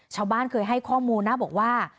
ชาวบ้านเคยให้ข้อมูลนะบอกว่า